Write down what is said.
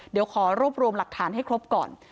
เดี๋ยวขอรวบรวมหลักฐานให้ครบก่อน